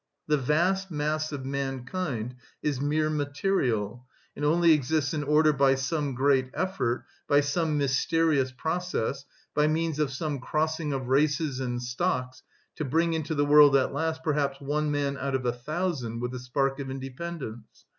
The vast mass of mankind is mere material, and only exists in order by some great effort, by some mysterious process, by means of some crossing of races and stocks, to bring into the world at last perhaps one man out of a thousand with a spark of independence.